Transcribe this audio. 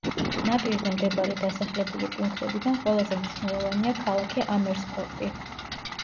ნაპირზე მდებარე დასახლებული პუნქტებიდან ყველაზე მნიშვნელოვანია ქალაქი ამერსფორტი.